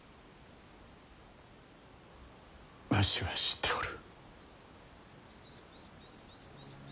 わしは知っておる。